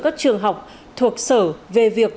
các trường học thuộc sở về việc